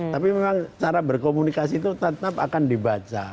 tapi memang cara berkomunikasi itu tetap akan dibaca